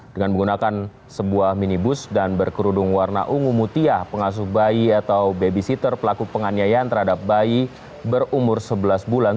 dengan menggunakan sebuah minibus dan berkerudung warna ungu mutia pengasuh bayi atau babysitter pelaku penganiayaan terhadap bayi berumur sebelas bulan